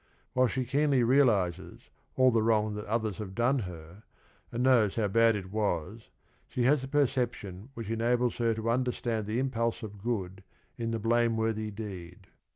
While she keenly realizes all the wrong that others have done her, and knows how bad it was, she has the per ception which enables her to understand the impulse of good in the blameworthy deed.